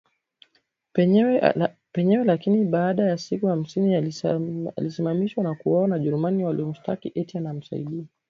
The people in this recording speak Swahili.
penyewe lakini baaa ya siku hamsini alisimamishwa na kuuwa na Wajerumani waliomshtaki eti anamsaidia